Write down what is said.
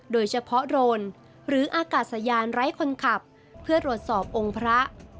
โดยเฉพาะโรนหรืออากาศยานไร้คนขับเพื่อตรวจสอบองค์พระ